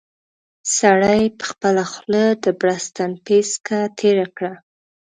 سړي په خپله خوله د بړستن پېڅکه تېره کړه.